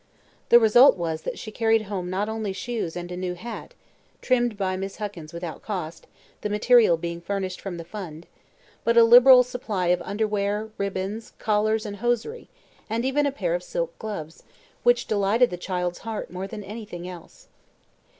The result was that she carried home not only shoes and a new hat trimmed by Miss Huckins without cost, the material being furnished from the fund but a liberal supply of underwear, ribbons, collars and hosiery, and even a pair of silk gloves, which delighted the child's heart more than anything else.